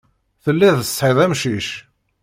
Telliḍ tesɛiḍ amcic.